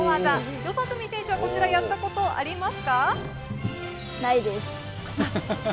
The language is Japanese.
四十住選手は、こちらやったことありますか？